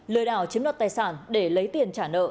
lời đảo chiếm đọt tài sản để lấy tiền trả nợ